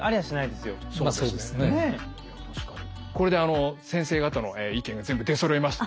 これで先生方の意見が全部出そろいました。